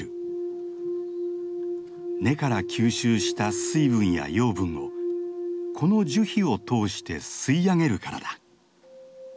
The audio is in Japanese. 根から吸収した水分や養分をこの樹皮を通して吸い上げるからだ。